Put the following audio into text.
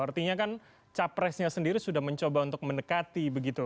artinya kan capresnya sendiri sudah mencoba untuk mendekati begitu